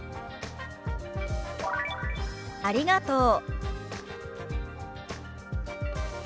「ありがとう」。